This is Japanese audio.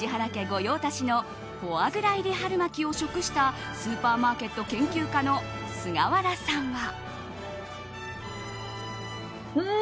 御用達のフォアグラ入り春巻きを食したスーパーマーケット研究家の菅原さんは。